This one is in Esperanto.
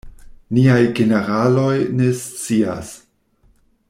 Niaj generaloj ne scias!